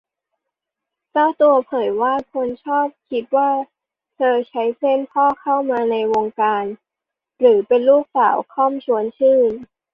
เจ้าตัวเปิดเผยว่า คนชอบคิดว่าเธอใช้เส้นพ่อเข้ามาในวงการ หรือเป็นลูกสาว ค่อม ชวนชื่น